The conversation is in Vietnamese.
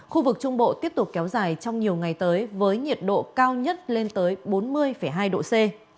khu vực trung bộ tiếp tục kéo dài trong nhiều ngày tới với nhiệt độ cao nhất lên tới bốn mươi hai độ c